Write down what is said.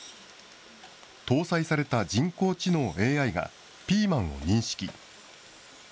搭載された人工知能ＡＩがピーマンを認識。